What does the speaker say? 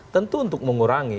tentu untuk mengurangi